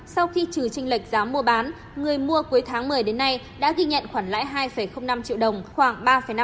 sau khi trừ trinh lệch giá mua bán người mua cuối tháng một mươi đến nay đã ghi nhận khoản lãi hai năm triệu đồng khoảng ba năm